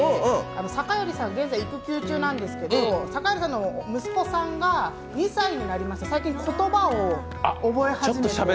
酒寄さん、現在、育休中なんですけど酒寄さんの息子さんが２歳になりまして、言葉を覚え始めたと。